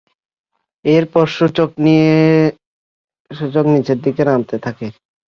এরপর সূচক নিচের দিকে নামতে থাকে।